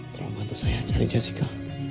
tolong bantu saya cari jessica